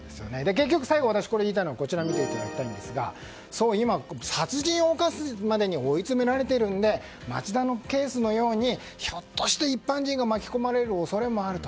結局、私が言いたいのは今、殺人を犯すまでに追いつめられているので町田のケースのようにひょっとして一般人が巻き込まれる恐れもあると。